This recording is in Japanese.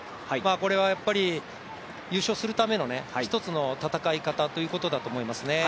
これは優勝するための一つの戦い方だと思いますね。